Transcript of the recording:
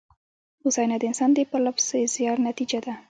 هوساینه د انسان د پرله پسې زیار نتېجه ده.